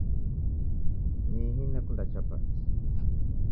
Nyihi nekunda chapati